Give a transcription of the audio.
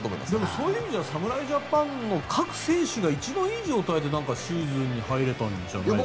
そういう意味じゃ侍ジャパンの各メンバー一番いい状態でシーズンに入れたんじゃないんですかね。